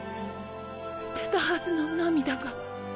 捨てたはずの涙が。